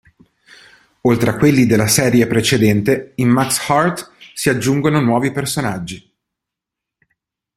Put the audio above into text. Oltre a quelli della serie precedente, in "Max Heart" si aggiungono nuovi personaggi.